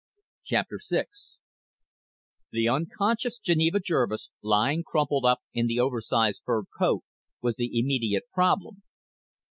_ VI The unconscious Geneva Jervis, lying crumpled up in the oversized fur coat, was the immediate problem.